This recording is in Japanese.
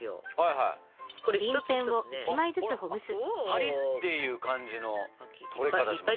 パリッていう感じの取れ方しましたね。